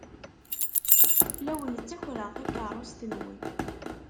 La awen-ttakren takeṛṛust-nwen!